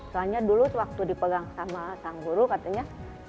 soalnya dulu waktu dipegang sama sang guru katanya